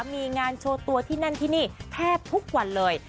มีงานโชว์ตัวที่นั่นที่นี่แทบทุกวันเลย